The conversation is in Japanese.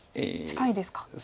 近いですか。